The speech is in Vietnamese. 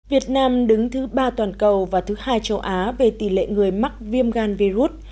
việt nam đứng thứ ba toàn cầu và thứ hai châu á về tỷ lệ người mắc viêm gan virus